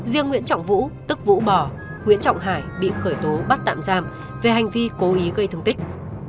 riêng nguyễn trọng vũ tức vũ bò nguyễn trọng hải bị khởi tố bắt tạm giam về hành vi cố ý gây thương tích